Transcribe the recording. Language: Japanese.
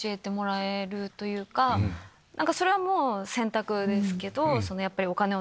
それはもう選択ですけど。